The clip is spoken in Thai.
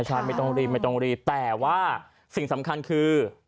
ใช่ไม่ต้องรีบแต่ว่าสิ่งสำคัญคือ